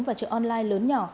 và chợ online lớn nhỏ